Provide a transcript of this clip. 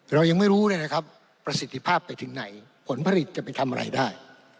เรายังไม่รู้เลยนะครับประสิทธิภาพไปถึงไหนผลผลิตจะไปทำอะไรได้